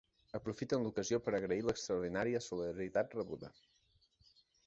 Aprofiten l'ocasió per agrair l'extraordinària solidaritat rebuda.